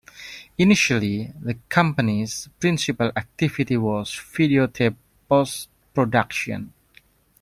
Initially, the company's principal activity was videotape post-production.